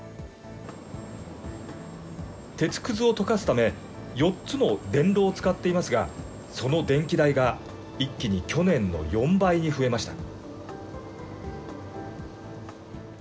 鉄くずを溶かすため、４つの電炉を使っていますが、その電気代が一気に去年の４倍に増えました。